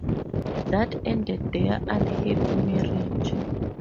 That ended their unhappy marriage.